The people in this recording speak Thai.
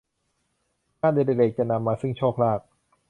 งานอดิเรกจะนำมาซึ่งโชคลาภ